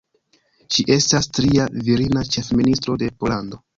Ŝi estas tria virina ĉefministro de Pollando.